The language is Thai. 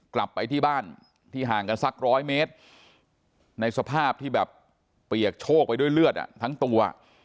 กลับไปที่บ้านที่ห่างกันสักร้อยเมตรในสภาพที่แบบเปียกโชคไปด้วยเลือดทั้งตัว